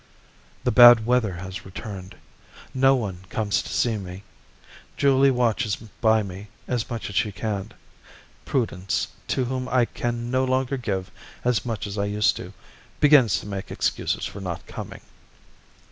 The bad weather has returned. No one comes to see me. Julie watches by me as much as she can. Prudence, to whom I can no longer give as much as I used to, begins to make excuses for not coming.